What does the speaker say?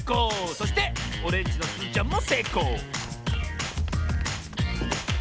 そしてオレンジのすずちゃんもせいこう！